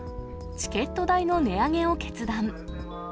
チケット代の値上げを決断。